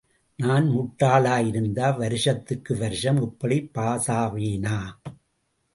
நான் முட்டாளாயிருந்தா வருஷத்துக்கு வருஷம் இப்படி பாஸாவேனா?...